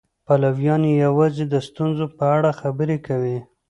پلویان یې یوازې د ستونزو په اړه خبرې کوي.